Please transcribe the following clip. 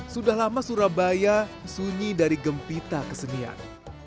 sudah lama surabaya sunyi dari gempita kesenian